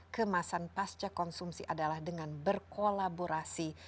kemasan pasca konsumsi adalah dengan berkolaborasi